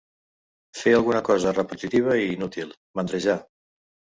Fer alguna cosa repetitiva i inútil, mandrejar.